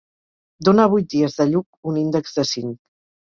Donar vuit dies de Lluc un índex de cinc.